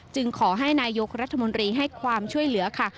ขอให้นายกรัฐมนตรีให้ความช่วยเหลือค่ะ